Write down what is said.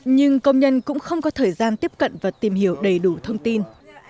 nhưng công nhân cũng không có thời gian tiếp cận và tìm hiểu đầy đủ thông tin